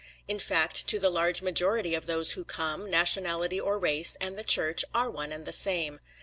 In fact to the large majority of those who come, nationality or race, and the Church, are one and the same.